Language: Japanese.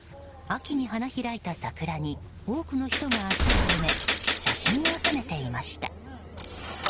秋に花開いた桜に多くの人が足を止め写真に収めていました。